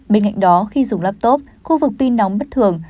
bên cạnh đó khi dùng laptop khu vực pin nóng bất thường